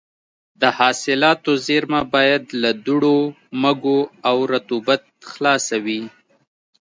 د حاصلاتو زېرمه باید له دوړو، مږو او رطوبت خلاصه وي.